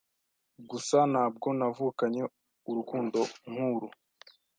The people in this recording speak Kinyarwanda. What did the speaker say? gusa ntabwo navukanye urukundo nkuru